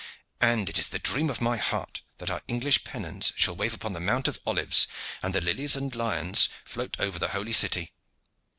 "And it is the dream of my heart that our English pennons shall wave upon the Mount of Olives, and the lions and lilies float over the holy city."